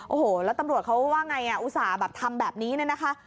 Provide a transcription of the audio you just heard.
โอ้โหแล้วตำรวจเขาว่าไงอุตส่าห์แบบทำแบบนี้เนี่ยนะคะ